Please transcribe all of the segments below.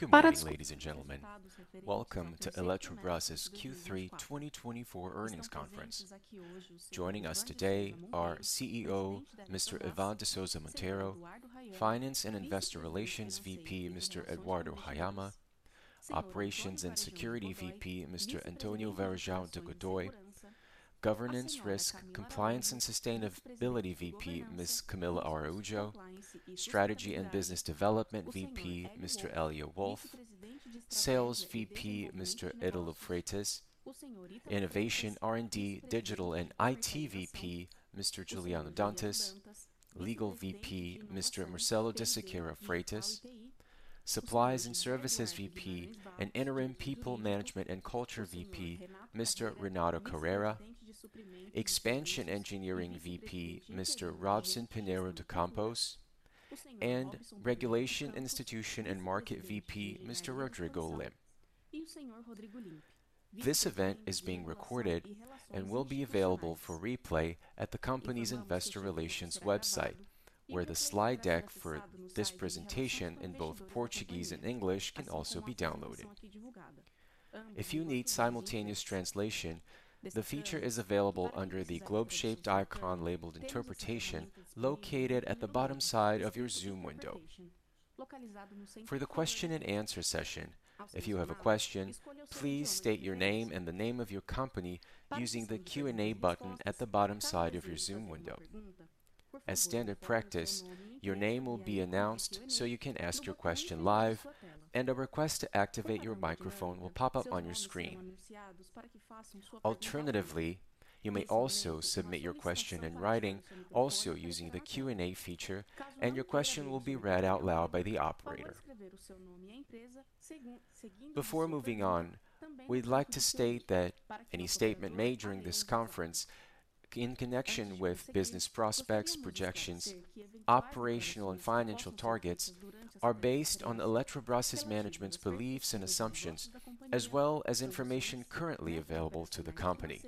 Good morning, ladies and gentlemen. Welcome to Eletrobras' Q3 2024 earnings conference. Joining us today are CEO Mr. Ivan de Souza Monteiro, Finance and Investor Relations VP Mr. Eduardo Haiama, Operations and Security VP Mr. Antonio Varejão de Godoy, Governance, Risk, Compliance and Sustainability VP Ms. Camila Araújo, Strategy and Business Development VP Mr. Elio Wolff, Sales VP Mr. Ítalo Freitas, Innovation, R&D, Digital and IT VP Mr. Juliano de Carvalho Dantas, Legal VP Mr. Marcelo de Siqueira Freitas, Supplies and Services VP and Interim People Management and Culture VP Mr. Renato Carreira, Expansion Engineering VP Mr. Robson Pinheiro de Campos, and Regulation, Institutional, and Market VP Mr. Rodrigo Limp. This event is being recorded and will be available for replay at the company's Investor Relations website, where the slide deck for this presentation in both Portuguese and English can also be downloaded. If you need simultaneous translation, the feature is available under the globe-shaped icon labeled Interpretation, located at the bottom side of your Zoom window. For the question-and-answer session, if you have a question, please state your name and the name of your company using the Q&A button at the bottom side of your Zoom window. As standard practice, your name will be announced so you can ask your question live, and a request to activate your microphone will pop up on your screen. Alternatively, you may also submit your question in writing, also using the Q&A feature, and your question will be read out loud by the operator. Before moving on, we'd like to state that any statement made during this conference in connection with business prospects, projections, operational, and financial targets are based on Eletrobrás' management's beliefs and assumptions, as well as information currently available to the company.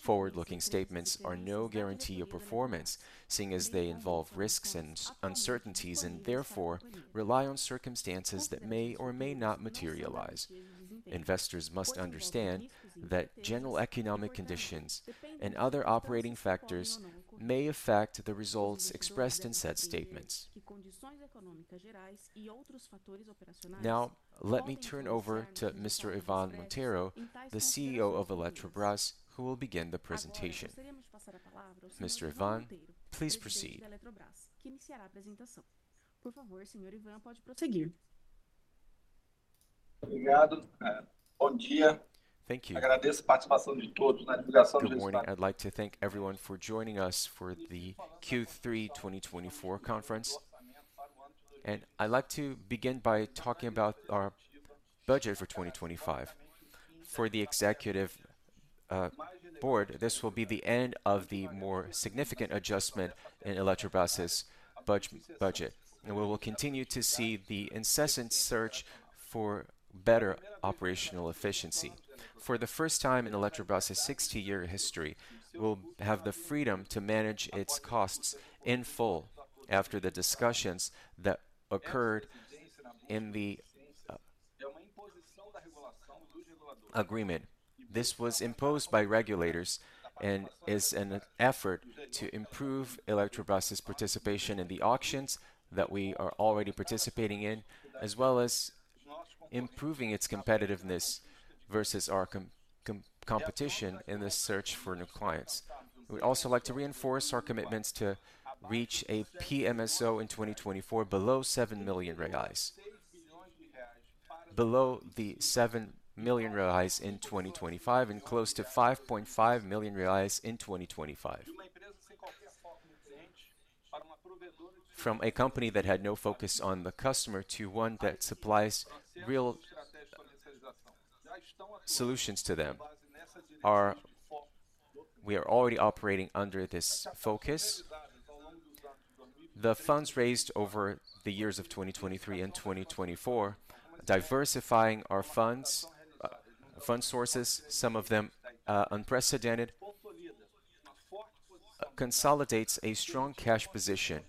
Forward-looking statements are no guarantee of performance, seeing as they involve risks and uncertainties and therefore rely on circumstances that may or may not materialize. Investors must understand that general economic conditions and other operating factors may affect the results expressed in said statements. Now, let me turn over to Mr. Ivan Monteiro, the CEO of Eletrobrás, who will begin the presentation. Mr. Ivan, please proceed. Por favor, senhor Ivan, pode prosseguir. Obrigado. Bom dia. Thank you. Agradeço a participação de todos na divulgação de. Good morning. I'd like to thank everyone for joining us for the Q3 2024 conference. And I'd like to begin by talking about our budget for 2025. For the executive board, this will be the end of the more significant adjustment in Eletrobrás' budget, and we will continue to see the incessant search for better operational efficiency. For the first time in Eletrobrás' 60-year history, we'll have the freedom to manage its costs in full after the discussions that occurred in the agreement. This was imposed by regulators and is an effort to improve Eletrobrás' participation in the auctions that we are already participating in, as well as improving its competitiveness versus our competition in the search for new clients. We'd also like to reinforce our commitments to reach a PMSO in 2024 below 7 million reais, below the 7 million reais in 2025, and close to 5.5 million reais in 2025. From a company that had no focus on the customer to one that supplies real solutions to them, we are already operating under this focus. The funds raised over the years of 2023 and 2024, diversifying our fund sources, some of them unprecedented, consolidates a strong cash position,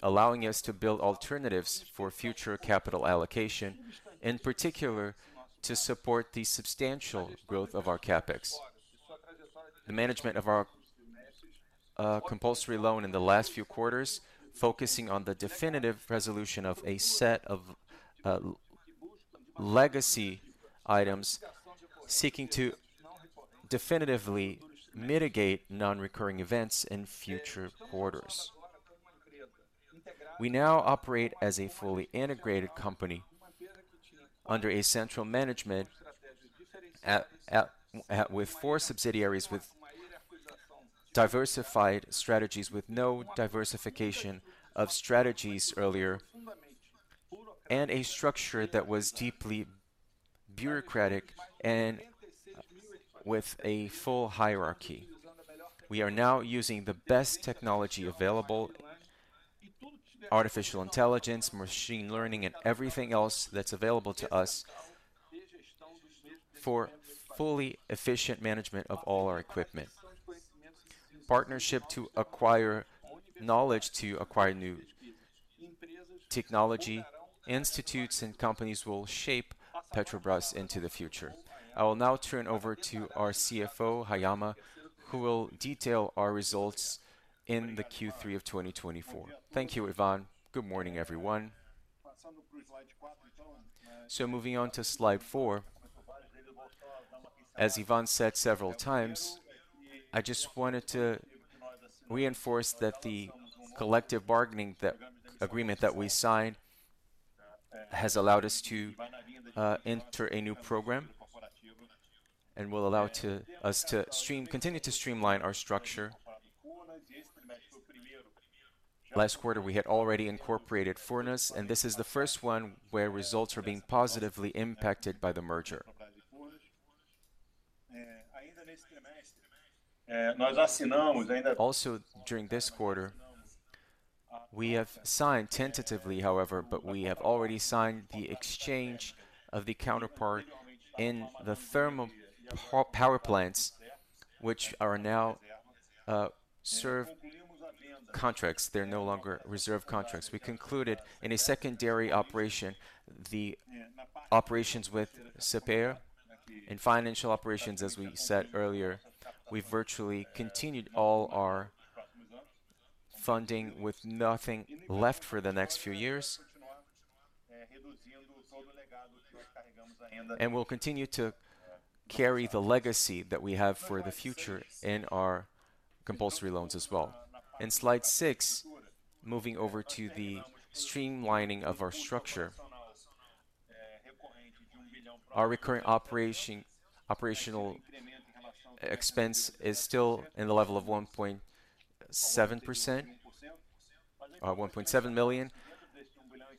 allowing us to build alternatives for future capital allocation, in particular to support the substantial growth of our CapEx. The management of our compulsory loan in the last few quarters, focusing on the definitive resolution of a set of legacy items, seeking to definitively mitigate non-recurring events in future quarters. We now operate as a fully integrated company under a central management with four subsidiaries, with diversified strategies, with no diversification of strategies earlier, and a structure that was deeply bureaucratic and with a full hierarchy. We are now using the best technology available: artificial intelligence, machine learning, and everything else that's available to us for fully efficient management of all our equipment. Partnership to acquire knowledge to acquire new technology institutes and companies will shape Eletrobras into the future. I will now turn over to our CFO, Haiama, who will detail our results in the Q3 of 2024. Thank you, Ivan. Good morning, everyone. So moving on to slide four. As Ivan said several times, I just wanted to reinforce that the collective bargaining agreement that we signed has allowed us to enter a new program and will allow us to continue to streamline our structure. Last quarter, we had already incorporated Furnas, and this is the first one where results are being positively impacted by the merger. Also, during this quarter, we have signed tentatively, however, but we have already signed the exchange of the counterpart in the thermal power plants, which are now reserved contracts. We concluded in a secondary operation, the operations with CTEEP and financial operations, as we said earlier. We've virtually continued all our funding with nothing left for the next few years, and we'll continue to carry the legacy that we have for the future in our compulsory loans as well. In slide six, moving over to the streamlining of our structure, our recurrent operational expense is still in the level of 1.7 million,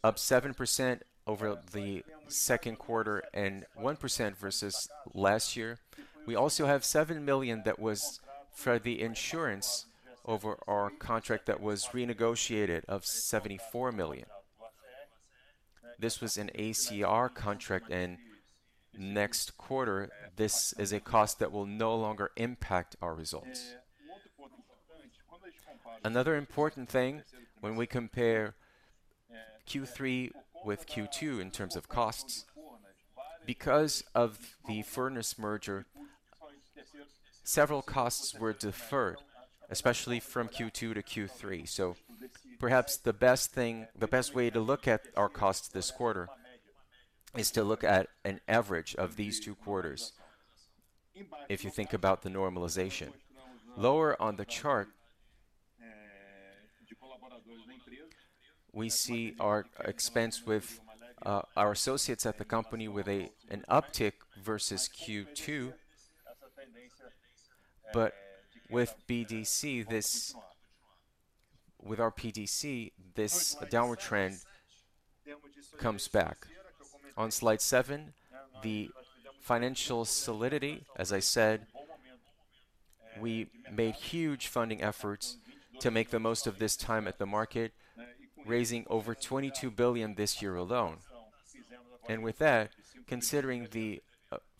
up 7% over the second quarter and 1% versus last year. We also have 7 million that was for the insurance over our contract that was renegotiated of 74 million. This was an ACR contract, and next quarter, this is a cost that will no longer impact our results. Another important thing when we compare Q3 with Q2 in terms of costs, because of the Furnas merger, several costs were deferred, especially from Q2 to Q3. So perhaps the best way to look at our costs this quarter is to look at an average of these two quarters. If you think about the normalization, lower on the chart, we see our expense with our associates at the company with an uptick versus Q2. But with our PDC, this downward trend comes back. On slide seven, the financial solidity, as I said, we made huge funding efforts to make the most of this time at the market, raising over 22 billion this year alone. And with that, considering the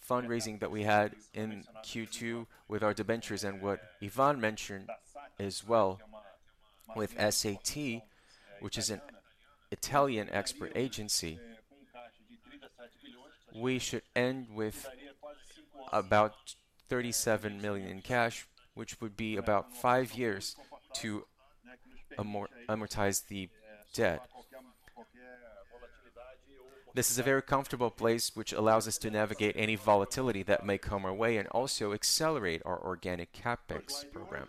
fundraising that we had in Q2 with our debentures and what Ivan mentioned as well with SACE, which is an Italian expert agency, we should end with about 37 million in cash, which would be about five years to amortize the debt. This is a very comfortable place, which allows us to navigate any volatility that may come our way and also accelerate our organic CapEx program.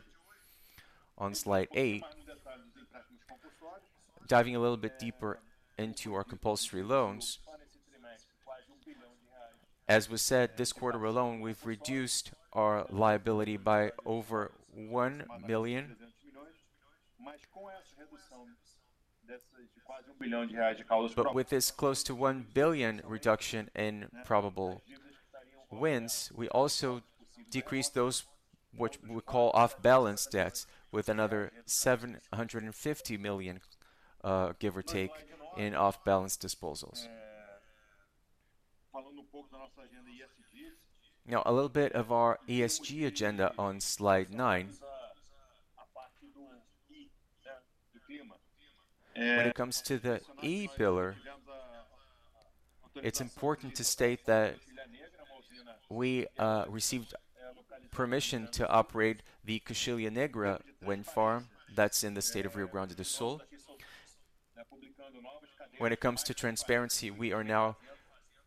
On slide eight, diving a little bit deeper into our compulsory loans, as we said, this quarter alone, we've reduced our liability by over 1 billion. With this close to 1 billion reduction in provisions, we also decreased those what we call off-balance debts with another 750 million, give or take, in off-balance disposals. Now, a little bit of our ESG agenda on slide nine. When it comes to the E pillar, it's important to state that we received permission to operate the Coxilha Negra wind farm that's in the state of Rio Grande do Sul. When it comes to transparency, we are now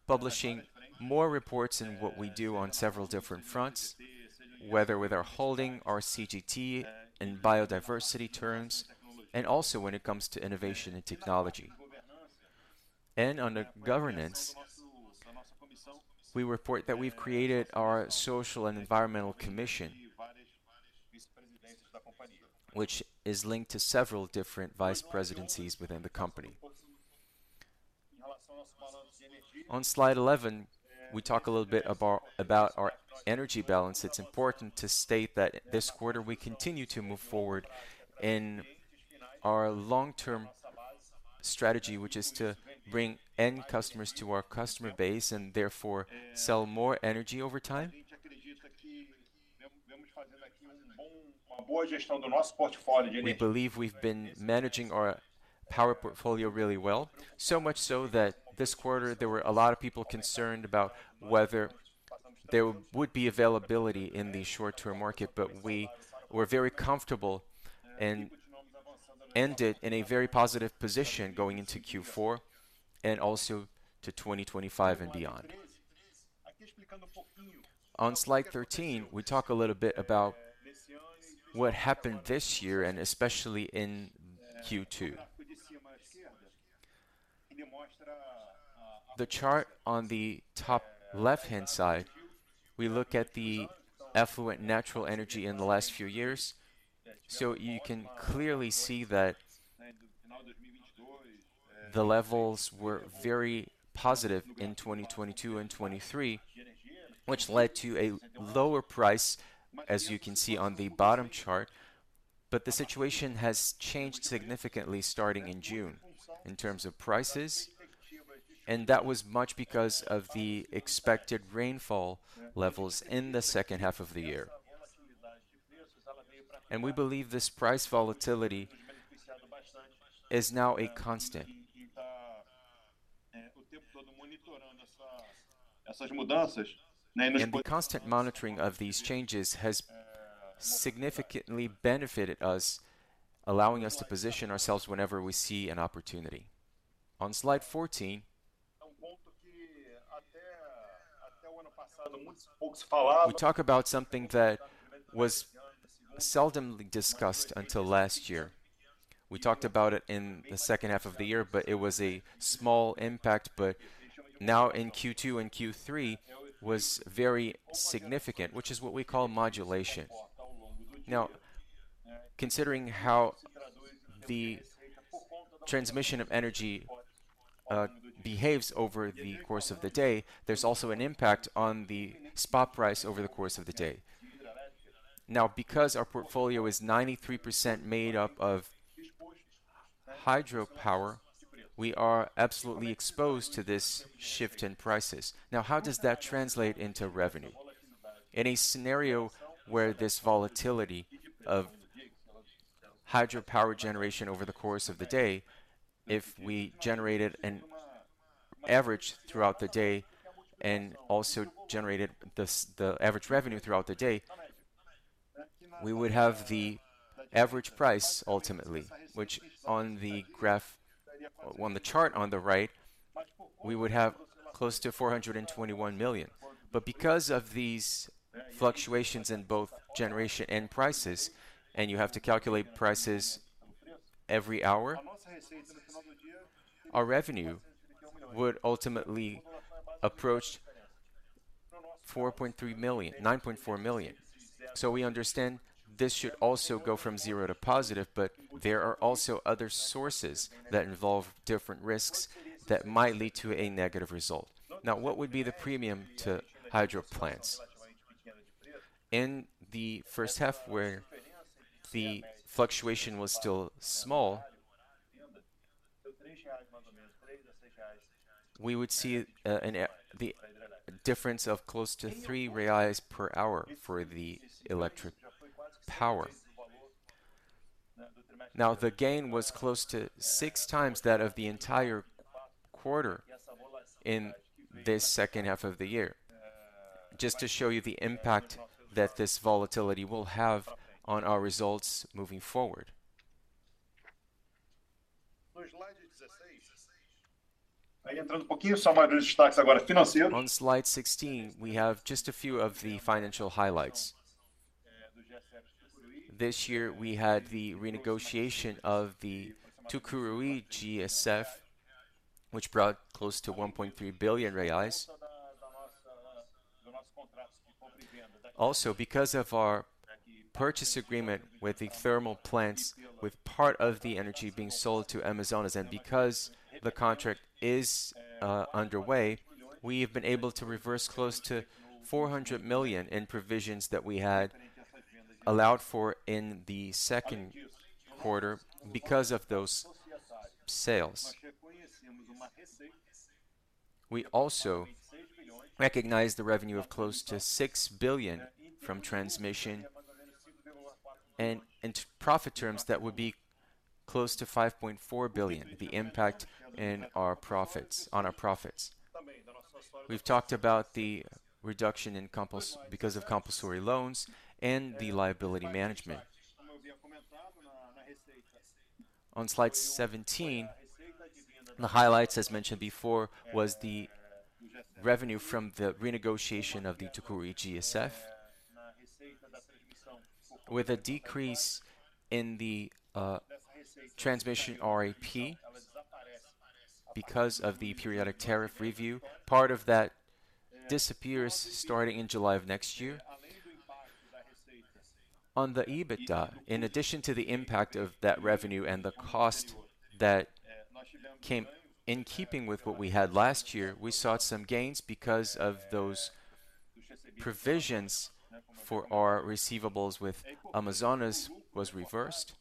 publishing more reports in what we do on several different fronts, whether with our holding, our CGT, and biodiversity terms, and also when it comes to innovation and technology. And under governance, we report that we've created our Social and Environmental Commission, which is linked to several different vice presidencies within the company. On slide 11, we talk a little bit about our energy balance. It's important to state that this quarter we continue to move forward in our long-term strategy, which is to bring end customers to our customer base and therefore sell more energy over time. We believe we've been managing our power portfolio really well, so much so that this quarter there were a lot of people concerned about whether there would be availability in the short-term market, but we were very comfortable and ended in a very positive position going into Q4 and also to 2025 and beyond. On slide 13, we talk a little bit about what happened this year and especially in Q2. The chart on the top left-hand side, we look at the affluent natural energy in the last few years. You can clearly see that the levels were very positive in 2022 and 2023, which led to a lower price, as you can see on the bottom chart. The situation has changed significantly starting in June in terms of prices, and that was much because of the expected rainfall levels in the second half of the year. We believe this price volatility is now a constant. The constant monitoring of these changes has significantly benefited us, allowing us to position ourselves whenever we see an opportunity. On slide 14, we talk about something that was seldom discussed until last year. We talked about it in the second half of the year, but it was a small impact, but now in Q2 and Q3 was very significant, which is what we call modulation. Now, considering how the transmission of energy behaves over the course of the day, there's also an impact on the spot price over the course of the day. Now, because our portfolio is 93% made up of hydropower, we are absolutely exposed to this shift in prices. Now, how does that translate into revenue? In a scenario where this volatility of hydropower generation over the course of the day, if we generated an average throughout the day and also generated the average revenue throughout the day, we would have the average price ultimately, which on the chart on the right, we would have close to 421 million. But because of these fluctuations in both generation and prices, and you have to calculate prices every hour, our revenue would ultimately approach 9.4 million. So we understand this should also go from zero to positive, but there are also other sources that involve different risks that might lead to a negative result. Now, what would be the premium to hydro plants? In the first half, where the fluctuation was still small, we would see a difference of close to 3 reais per hour for the electric power. Now, the gain was close to six times that of the entire quarter in this second half of the year. Just to show you the impact that this volatility will have on our results moving forward. On slide 16, we have just a few of the financial highlights. This year, we had the renegotiation of the Tucuruí GSF, which brought close to 1.3 billion reais. Also, because of our purchase agreement with the thermal plants, with part of the energy being sold to Amazonas, and because the contract is underway, we have been able to reverse close to 400 million in provisions that we had allowed for in the second quarter because of those sales. We also recognize the revenue of close to 6 billion from transmission and profit terms that would be close to 5.4 billion. The impact on our profits. We've talked about the reduction because of compulsory loans and the liability management. On slide 17, the highlights, as mentioned before, was the revenue from the renegotiation of the Tucuruí GSF, with a decrease in the transmission RAP because of the periodic tariff review. Part of that disappears starting in July of next year. On the EBITDA, in addition to the impact of that revenue and the cost that came in keeping with what we had last year, we saw some gains because of those provisions for our receivables with Amazonas, was reversed.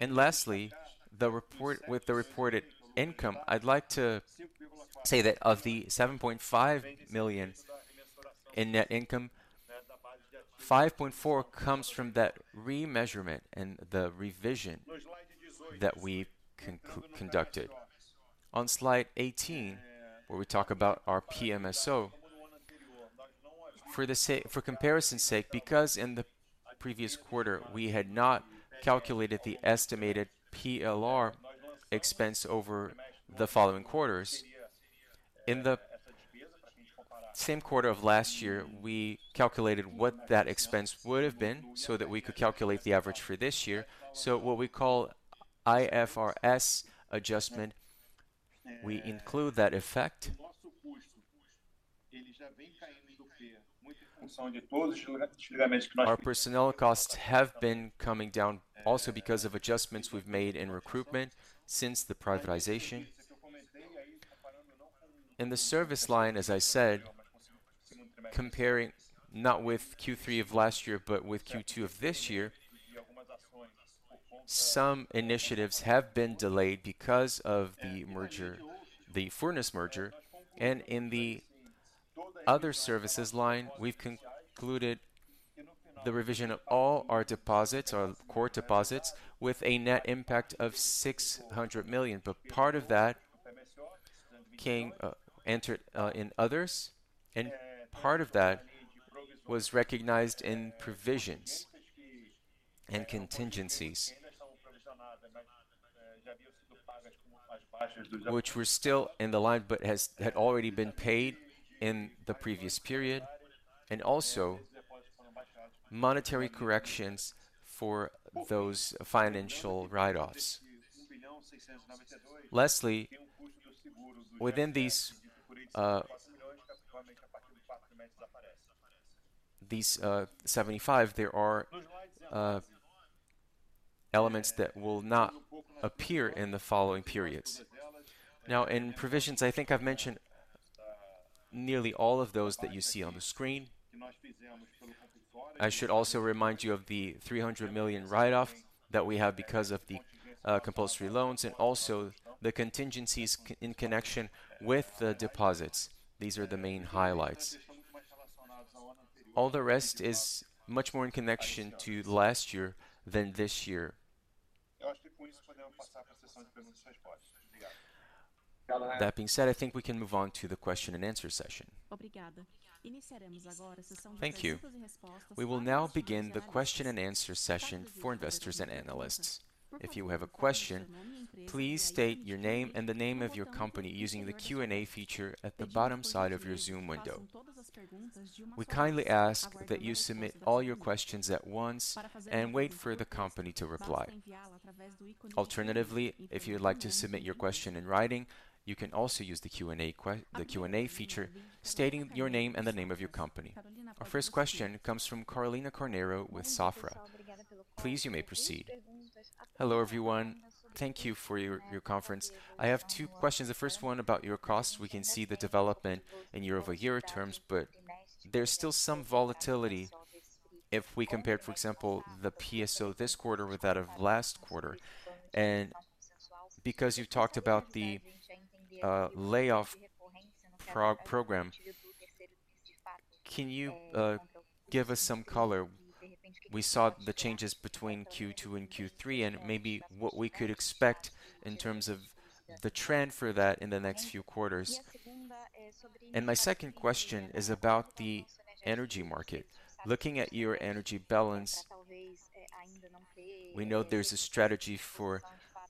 Lastly, with the reported income, I'd like to say that of the 7.5 million in net income, 5.4 comes from that remeasurement and the revision that we conducted. On slide 18, where we talk about our PMSO, for comparison's sake, because in the previous quarter, we had not calculated the estimated PLR expense over the following quarters. In the same quarter of last year, we calculated what that expense would have been so that we could calculate the average for this year. So what we call IFRS adjustment, we include that effect. Our personnel costs have been coming down also because of adjustments we've made in recruitment since the privatization. In the service line, as I said, comparing not with Q3 of last year, but with Q2 of this year, some initiatives have been delayed because of the Furnas merger. And in the other services line, we've concluded the revision of all our deposits, our core deposits, with a net impact of 600 million. But part of that entered in others, and part of that was recognized in provisions and contingencies, which were still in the line but had already been paid in the previous period, and also monetary corrections for those financial write-offs. Lastly, within these 75 million, there are elements that will not appear in the following periods. Now, in provisions, I think I've mentioned nearly all of those that you see on the screen. I should also remind you of the 300 million write-off that we have because of the Compulsory Loans and also the contingencies in connection with the deposits. These are the main highlights. All the rest is much more in connection to last year than this year. That being said, I think we can move on to the question and answer session. Thank you. We will now begin the question and answer session for investors and analysts. If you have a question, please state your name and the name of your company using the Q&A feature at the bottom side of your Zoom window. We kindly ask that you submit all your questions at once and wait for the company to reply. Alternatively, if you'd like to submit your question in writing, you can also use the Q&A feature, stating your name and the name of your company. Our first question comes from Carolina Carneiro with Safra. Please, you may proceed. Hello everyone. Thank you for your conference. I have two questions. The first one about your costs. We can see the development in year-over-year terms, but there's still some volatility if we compare, for example, the PMSO this quarter with that of last quarter. And because you've talked about the layoff program, can you give us some color? We saw the changes between Q2 and Q3, and maybe what we could expect in terms of the trend for that in the next few quarters. And my second question is about the energy market. Looking at your energy balance, we know there's a strategy for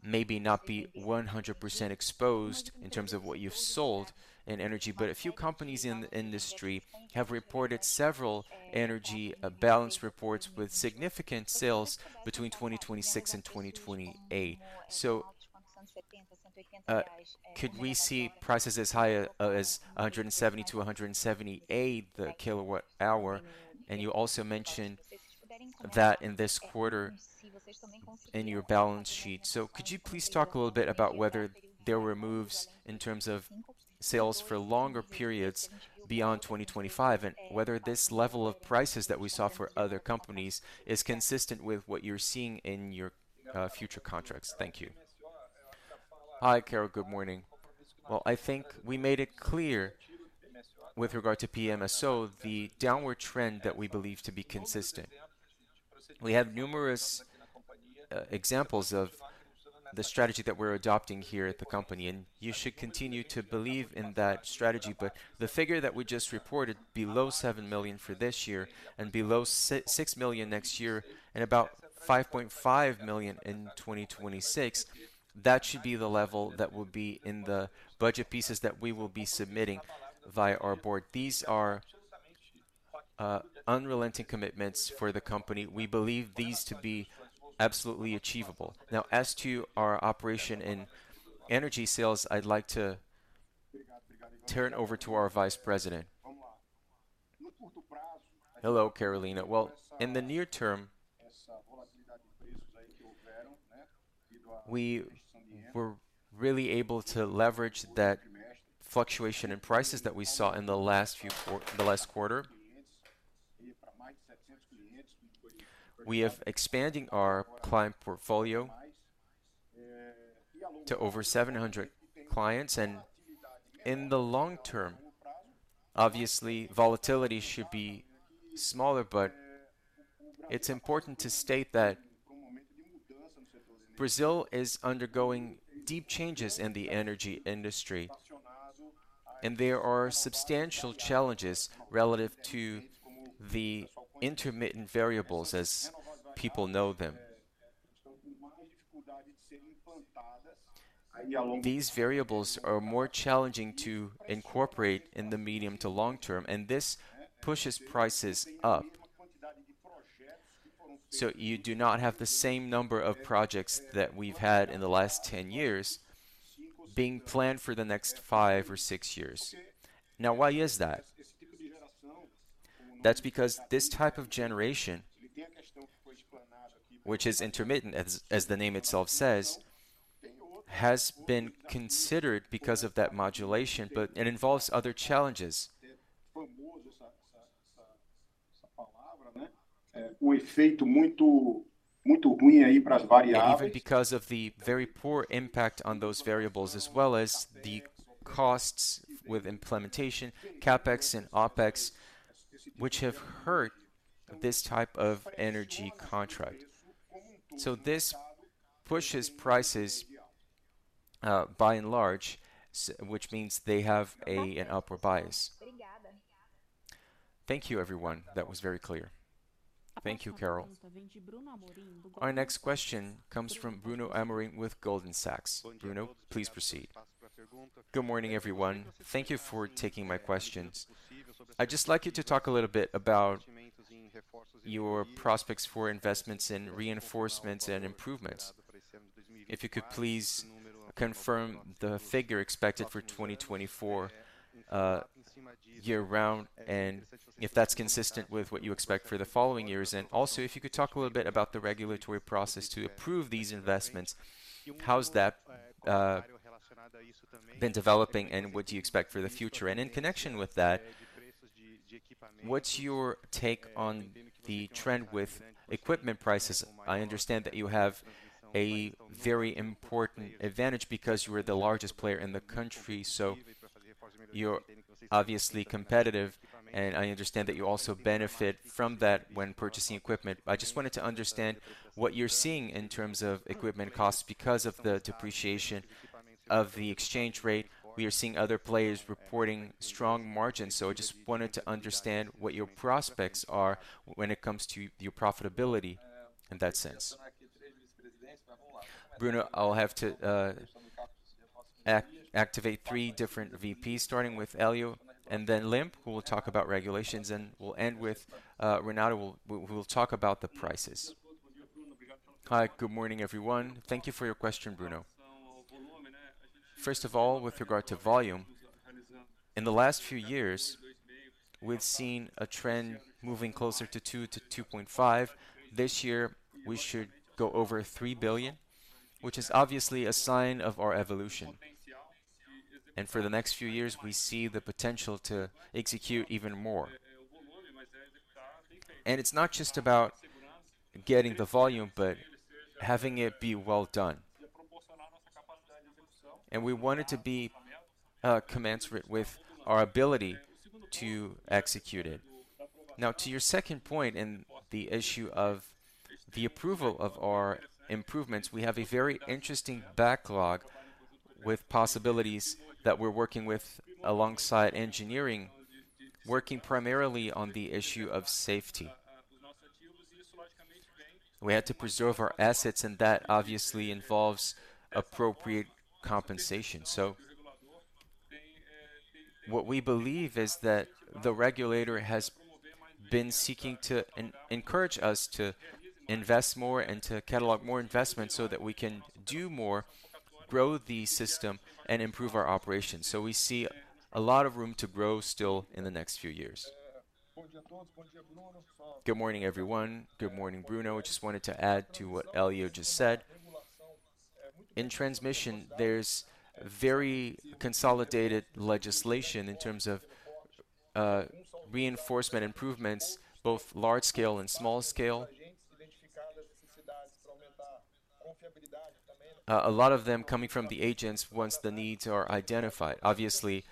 maybe not being 100% exposed in terms of what you've sold in energy, but a few companies in the industry have reported several energy balance reports with significant sales between 2026 and 2028. So, could we see prices as high as 170-178 the kilowatt-hour? And you also mentioned that in this quarter in your balance sheet. So, could you please talk a little bit about whether there were moves in terms of sales for longer periods beyond 2025, and whether this level of prices that we saw for other companies is consistent with what you're seeing in your future contracts? Thank you. Hi, Carol, good morning. Well, I think we made it clear with regard to PMSO the downward trend that we believe to be consistent. We have numerous examples of the strategy that we're adopting here at the company, and you should continue to believe in that strategy. But the figure that we just reported, below 7 million for this year and below 6 million next year and about 5.5 million in 2026, that should be the level that will be in the budget pieces that we will be submitting via our board. These are unrelenting commitments for the company. We believe these to be absolutely achievable. Now, as to our operation in energy sales, I'd like to turn over to our Vice President. Hello, Carolina. Well, in the near term, we were really able to leverage that fluctuation in prices that we saw in the last quarter. We have expanded our client portfolio to over 700 clients. And in the long term, obviously, volatility should be smaller, but it's important to state that Brazil is undergoing deep changes in the energy industry, and there are substantial challenges relative to the intermittent variables, as people know them. These variables are more challenging to incorporate in the medium to long term, and this pushes prices up. So you do not have the same number of projects that we've had in the last 10 years being planned for the next five or six years. Now, why is that? That's because this type of generation, which is intermittent, as the name itself says, has been considered because of that modulation, but it involves other challenges. Because of the very poor impact on those variables, as well as the costs with implementation, CapEx and OpEx, which have hurt this type of energy contract. So this pushes prices by and large, which means they have an upward bias. Thank you, everyone. That was very clear. Thank you, Carol. Our next question comes from Bruno Amorim with Goldman Sachs. Bruno, please proceed. Good morning, everyone. Thank you for taking my questions. I'd just like you to talk a little bit about your prospects for investments in reinforcements and improvements. If you could please confirm the figure expected for 2024 year-round and if that's consistent with what you expect for the following years? And also, if you could talk a little bit about the regulatory process to approve these investments, how's that been developing, and what do you expect for the future? And in connection with that, what's your take on the trend with equipment prices? I understand that you have a very important advantage because you are the largest player in the country, so you're obviously competitive, and I understand that you also benefit from that when purchasing equipment. I just wanted to understand what you're seeing in terms of equipment costs because of the depreciation of the exchange rate. We are seeing other players reporting strong margins, so I just wanted to understand what your prospects are when it comes to your profitability in that sense. Bruno, I'll have to activate three different VPs, starting with Elio and then Limp, who will talk about regulations, and we'll end with Renato, who will talk about the prices. Hi, good morning, everyone. Thank you for your question, Bruno. First of all, with regard to volume, in the last few years, we've seen a trend moving closer to 2 billion-2.5 billion. This year, we should go over 3 billion, which is obviously a sign of our evolution. And for the next few years, we see the potential to execute even more. And it's not just about getting the volume, but having it be well done. And we want it to be commensurate with our ability to execute it. Now, to your second point and the issue of the approval of our improvements, we have a very interesting backlog with possibilities that we're working with alongside engineering, working primarily on the issue of safety. We had to preserve our assets, and that obviously involves appropriate compensation. So what we believe is that the regulator has been seeking to encourage us to invest more and to catalog more investments so that we can do more, grow the system, and improve our operations. So we see a lot of room to grow still in the next few years. Good morning, everyone. Good morning, Bruno. I just wanted to add to what Elio just said. In transmission, there's very consolidated legislation in terms of reinforcement improvements, both large scale and small scale. A lot of them coming from the agents once the needs are identified. Obviously,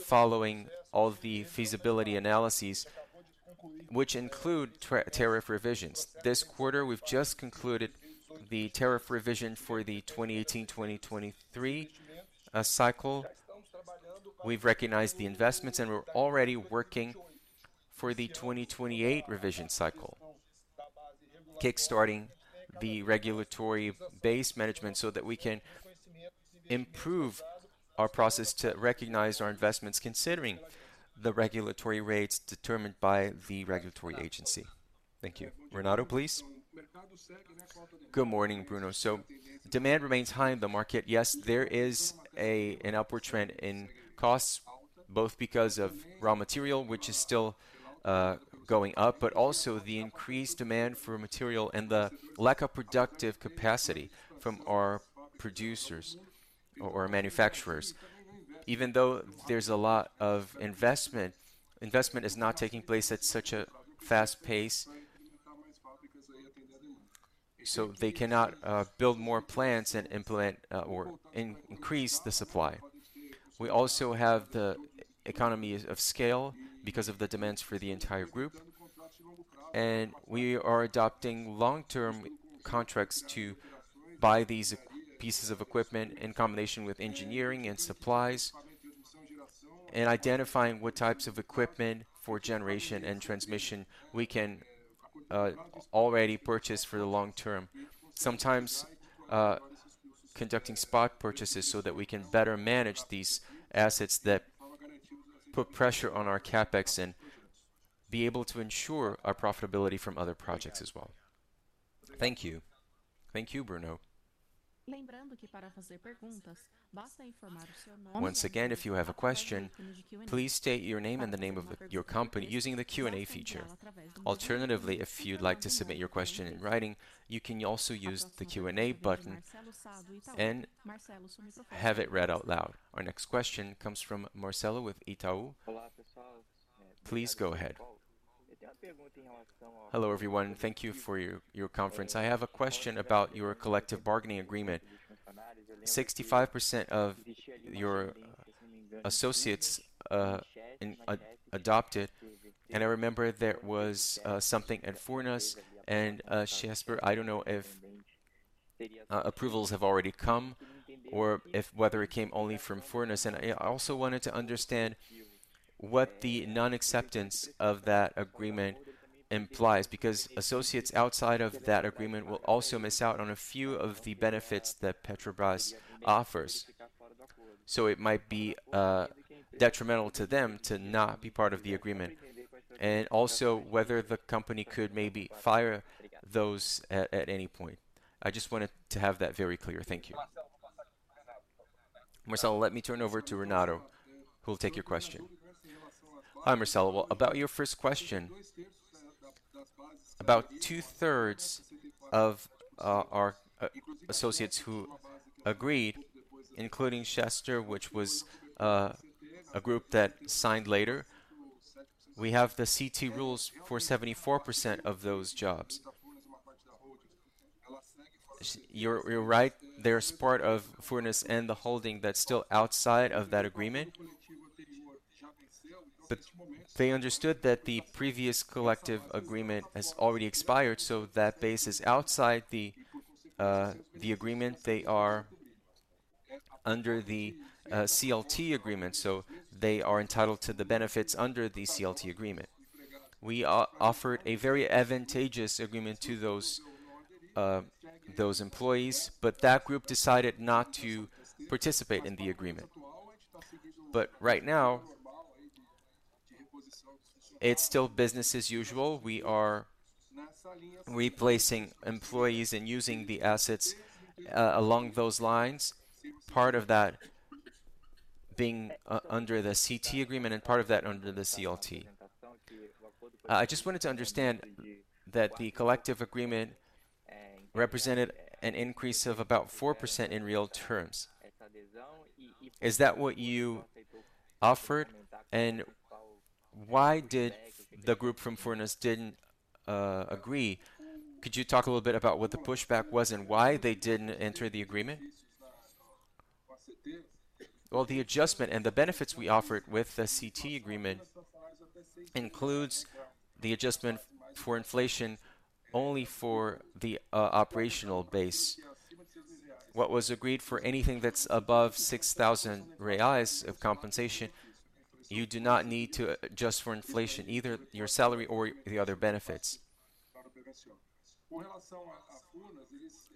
following all the feasibility analyses, which include tariff revisions. This quarter, we've just concluded the tariff revision for the 2018-2023 cycle. We've recognized the investments, and we're already working for the 2028 revision cycle, kickstarting the regulatory base management so that we can improve our process to recognize our investments considering the regulatory rates determined by the regulatory agency. Thank you. Renato, please. Good morning, Bruno. So demand remains high in the market. Yes, there is an upward trend in costs, both because of raw material, which is still going up, but also the increased demand for material and the lack of productive capacity from our producers or manufacturers. Even though there's a lot of investment, investment is not taking place at such a fast pace, so they cannot build more plants and increase the supply. We also have the economy of scale because of the demands for the entire group, and we are adopting long-term contracts to buy these pieces of equipment in combination with engineering and supplies and identifying what types of equipment for generation and transmission we can already purchase for the long term. Sometimes conducting spot purchases so that we can better manage these assets that put pressure on our CapEx and be able to ensure our profitability from other projects as well. Thank you. Thank you, Bruno. Once again, if you have a question, please state your name and the name of your company using the Q&A feature. Alternatively, if you'd like to submit your question in writing, you can also use the Q&A button and have it read out loud. Our next question comes from Marcelo with Itaú. Please go ahead. Hello everyone. Thank you for your conference. I have a question about your collective bargaining agreement. 65% of your associates adopted, and I remember there was something at Furnas and Chesf. I don't know if approvals have already come or whether it came only from Furnas. And I also wanted to understand what the non-acceptance of that agreement implies because associates outside of that agreement will also miss out on a few of the benefits that Electrobras offers. So it might be detrimental to them to not be part of the agreement. And also whether the company could maybe fire those at any point. I just wanted to have that very clear. Thank you. Marcelo, let me turn over to Renato, who will take your question. Hi Marcelo. Well, about your first question, about two-thirds of our associates who agreed, including Chesf, which was a group that signed later. We have the ACT rules for 74% of those jobs. You're right. They're part of Furnas and the holding that's still outside of that agreement. But they understood that the previous collective agreement has already expired, so that base is outside the agreement. They are under the CLT agreement, so they are entitled to the benefits under the CLT agreement. We offered a very advantageous agreement to those employees, but that group decided not to participate in the agreement. But right now, it's still business as usual. We are replacing employees and using the assets along those lines, part of that being under the ACT agreement and part of that under the CLT. I just wanted to understand that the collective agreement represented an increase of about 4% in real terms. Is that what you offered? And why did the group from Furnas didn't agree? Could you talk a little bit about what the pushback was and why they didn't enter the agreement? Well, the adjustment and the benefits we offered with the ACT agreement includes the adjustment for inflation only for the operational base. What was agreed for anything that's above 6,000 reais of compensation, you do not need to adjust for inflation, either your salary or the other benefits.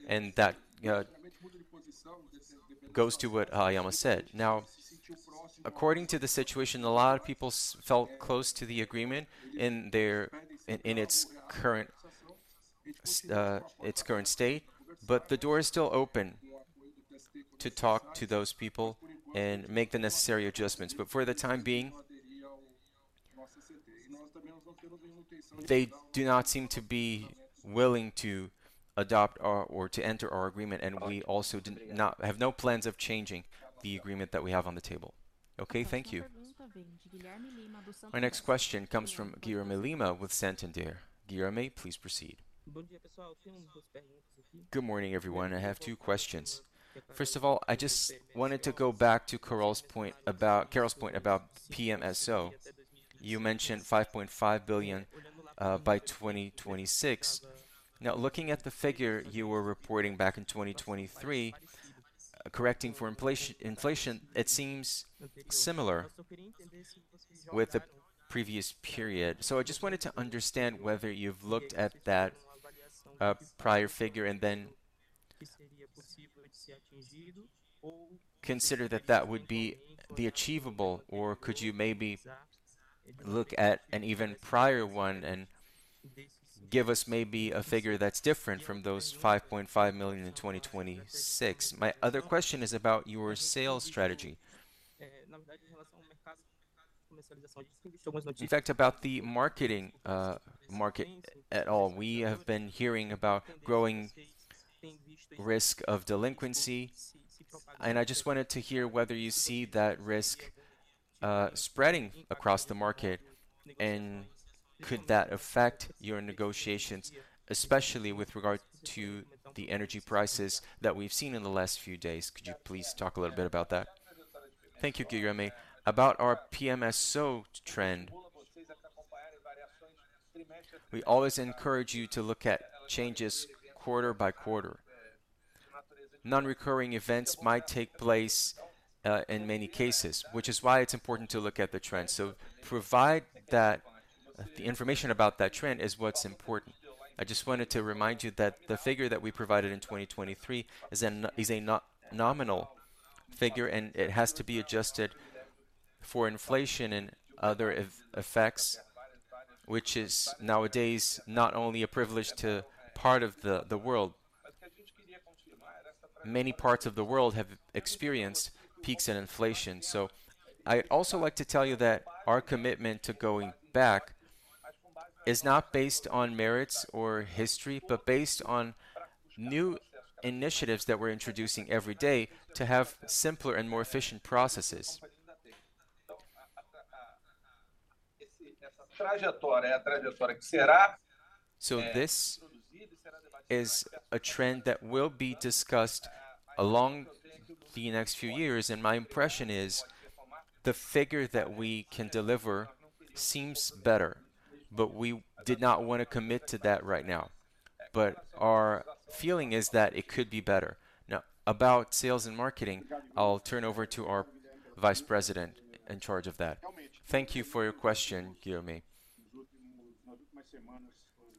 And that goes to what I almost said. Now, according to the situation, a lot of people felt close to the agreement in its current state, but the door is still open to talk to those people and make the necessary adjustments. But for the time being, they do not seem to be willing to adopt or to enter our agreement, and we also have no plans of changing the agreement that we have on the table. Okay, thank you. Our next question comes from Guilherme Lima with Santander. Guilherme, please proceed. Good morning, everyone. I have two questions. First of all, I just wanted to go back to Carol's point about PMSO. You mentioned 5.5 billion by 2026. Now, looking at the figure you were reporting back in 2023, correcting for inflation, it seems similar with the previous period. So I just wanted to understand whether you've looked at that prior figure and then consider that that would be the achievable. Or could you maybe look at an even prior one and give us maybe a figure that's different from those 5.5 million in 2026? My other question is about your sales strategy. In fact, about the merchant market at all, we have been hearing about growing risk of delinquency, and I just wanted to hear whether you see that risk spreading across the market and could that affect your negotiations, especially with regard to the energy prices that we've seen in the last few days. Could you please talk a little bit about that? Thank you, Guilherme. About our PMSO trend, we always encourage you to look at changes quarter by quarter. Non-recurring events might take place in many cases, which is why it's important to look at the trend. So provide that the information about that trend is what's important. I just wanted to remind you that the figure that we provided in 2023 is a nominal figure, and it has to be adjusted for inflation and other effects, which is nowadays not only a privilege to part of the world. Many parts of the world have experienced peaks in inflation. So I'd also like to tell you that our commitment to going back is not based on merits or history, but based on new initiatives that we're introducing every day to have simpler and more efficient processes. So this is a trend that will be discussed along the next few years, and my impression is the figure that we can deliver seems better, but we did not want to commit to that right now. But our feeling is that it could be better. Now, about sales and marketing, I'll turn over to our vice president in charge of that. Thank you for your question, Guilherme.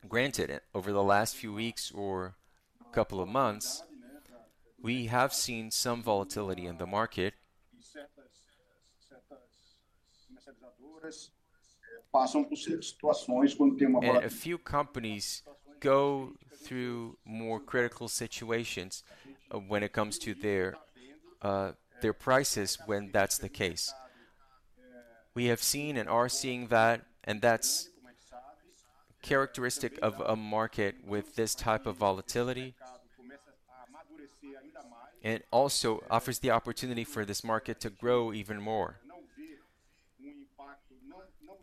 Granted, over the last few weeks or a couple of months, we have seen some volatility in the market. A few companies go through more critical situations when it comes to their prices when that's the case. We have seen and are seeing that, and that's characteristic of a market with this type of volatility and also offers the opportunity for this market to grow even more.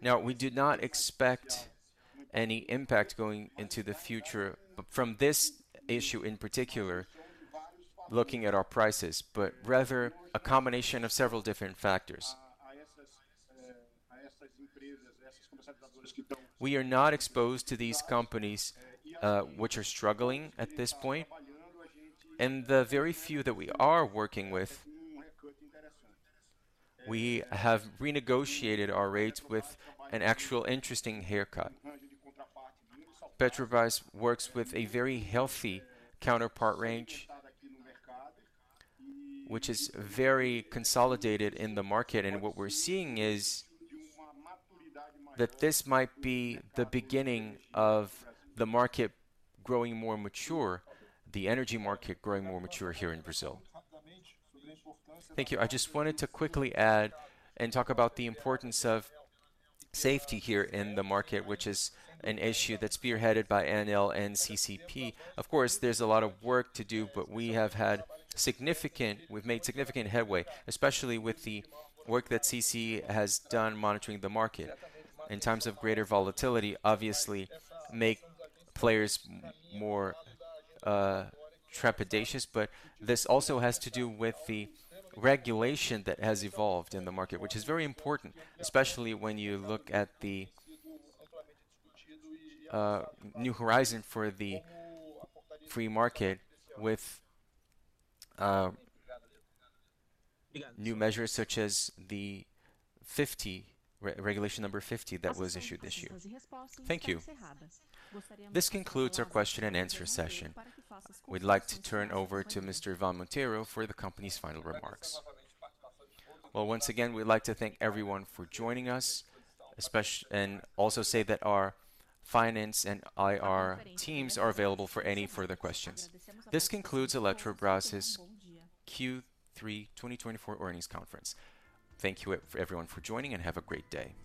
Now, we do not expect any impact going into the future from this issue in particular, looking at our prices, but rather a combination of several different factors. We are not exposed to these companies which are struggling at this point, and the very few that we are working with, we have renegotiated our rates with an actual interesting haircut. Letrobras works with a very healthy counterparty range, which is very consolidated in the market, and what we're seeing is that this might be the beginning of the market growing more mature, the energy market growing more mature here in Brazil. Thank you. I just wanted to quickly add and talk about the importance of safety here in the market, which is an issue that's spearheaded by ANEEL and CCEE. Of course, there's a lot of work to do, but we have made significant headway, especially with the work that CCEE has done monitoring the market. In times of greater volatility, obviously, it makes players more trepidatious, but this also has to do with the regulation that has evolved in the market, which is very important, especially when you look at the new horizon for the free market with new measures such as the regulation number 50 that was issued this year. Thank you. This concludes our question and answer session. We'd like to turn over to Mr. Monteiro for the company's final remarks. Once again, we'd like to thank everyone for joining us, and also say that our finance and IR teams are available for any further questions. This concludes Eletrobrás' Q3 2024 earnings conference. Thank you everyone for joining, and have a great day.